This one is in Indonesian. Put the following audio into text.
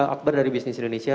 akbar dari bisnis indonesia